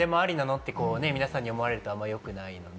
って皆さんに思われるのはよくないので、